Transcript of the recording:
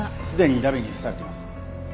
すでに荼毘に付されています。